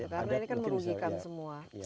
karena ini kan merugikan semua